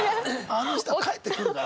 「あの人帰ってくるから」。